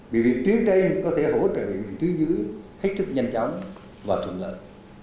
bệnh viện tuyến trên có thể hỗ trợ bệnh viện tuyến dưới hết chức nhanh chóng và thuận lợi